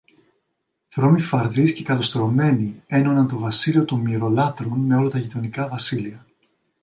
δρόμοι φαρδείς και καλοστρωμένοι ένωναν το βασίλειο των Μοιρολάτρων με όλα τα γειτονικά βασίλεια.